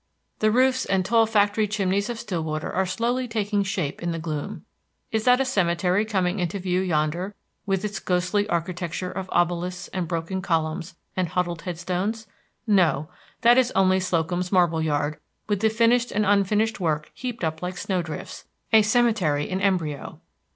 The roofs and tall factory chimneys of Stillwater are slowly taking shape in the gloom. Is that a cemetery coming into view yonder, with its ghostly architecture of obelisks and broken columns and huddled head stones? No, that is only Slocum's Marble Yard, with the finished and unfinished work heaped up like snowdrifts, a cemetery in embryo.